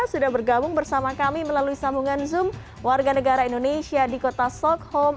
sudah bergabung bersama kami melalui sambungan zoom warga negara indonesia di kota sockholm